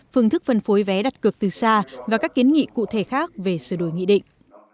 phương thức phân phối vé đặt cược từ xa và các kiến nghị cụ thể khác về sửa đổi nghị định